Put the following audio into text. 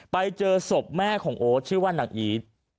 ไปเจอสทธิบแม่ของโอ๊ตซึ่งชื่อว่าหนักอีท